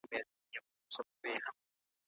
دفاع وزارت مالي مرسته نه کموي.